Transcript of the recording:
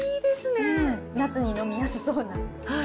夏に飲みやすそうな。